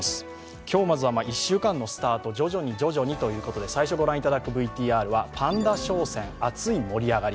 今日まずは１週間のスタート徐々にということで最初ご覧いただくＶＴＲパンダ商戦、熱い盛り上がり。